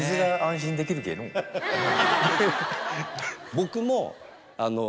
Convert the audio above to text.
僕も。